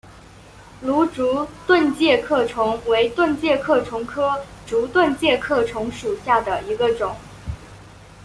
芦竹盾介壳虫为盾介壳虫科竹盾介壳虫属下的一个种。